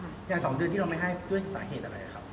อย่าง๒เดือนที่เราไม่ให้ด้วยสาเหตุอะไรครับ